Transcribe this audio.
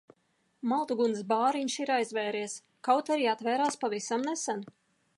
Malduguns bāriņš ir aizvēries, kaut arī atvērās pavisam nesen.